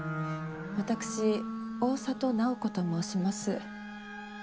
私大郷楠宝子と申します。